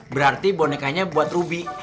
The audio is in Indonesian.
berarti bonekanya buat rubi